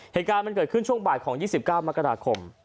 เหตุการณ์มันเกิดขึ้นช่วงบ่ายของ๒๙มกราคม